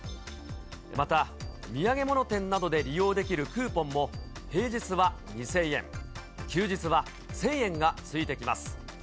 また土産物店などで利用できるクーポンも、平日は２０００円、休日は１０００円がついてきます。